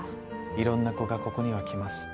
いろんな子がここには来ます。